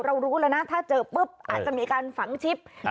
รู้แล้วนะถ้าเจอปุ๊บอาจจะมีการฝังชิป